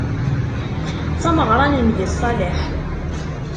D tameɣra n Nnbi ṣṣaleḥ.